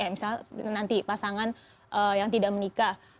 misal nanti pasangan yang tidak menikah